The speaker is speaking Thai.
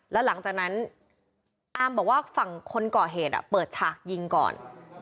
แล้วหลังจากนั้นอามบอกว่าฝั่งคนก่อเหตุเปิดฉากยิงก่อน